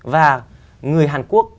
và người hàn quốc